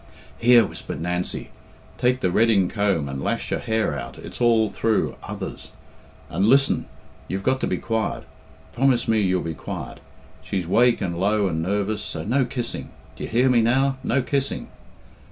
"Here," whispered Nancy, "take the redyng comb and lash your hair out, it's all through others. And listen you've got to be quiet. Promise me you'll be quiet. She's wake and low and nervous, so no kissing. D'ye hear me now, no kissing."